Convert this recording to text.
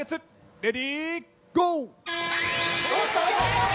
レディーゴー。